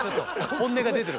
本音が出てる。